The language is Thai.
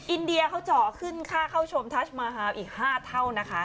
อินเดียเขาเจาะขึ้นค่าเข้าชมทัชมาฮาวอีก๕เท่านะคะ